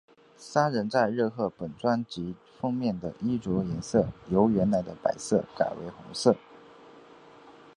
三人在热贺本专辑封面的衣着颜色由原来的白色改为红色。